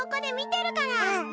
うん！